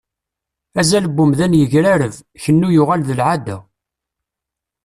Azal n umdan yegrareb, Kennu yuɣal d lεada.